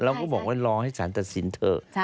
เราก็บอกว่ารอให้สารตัดสินเถอะ